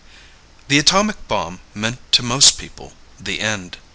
_The atomic bomb meant, to most people, the end.